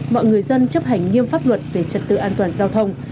mọi người dân chấp hành nghiêm pháp luật về trật tự an toàn giao thông